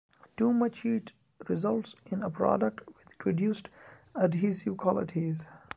Too much heat results in a product with reduced adhesive qualities.